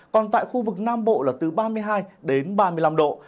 còn tại khu vực nam bộ là từ ba mươi hai đến ba mươi năm độ